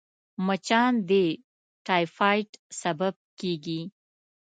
مچان د تيفايد سبب کېږي